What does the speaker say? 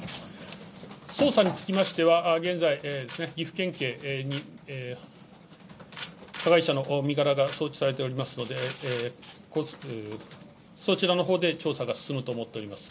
捜査につきましては、現在、岐阜県警に加害者の身柄が送致されておりますので、そちらのほうで調査が進むと思っております。